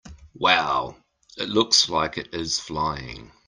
Wow! It looks like it is flying!